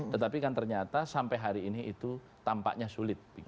tetapi kan ternyata sampai hari ini itu tampaknya sulit